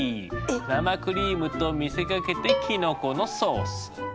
生クリームと見せかけてキノコのソース。